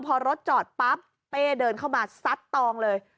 พอรถจอดปั๊บเป้เดินเข้ามาซัดตองเลย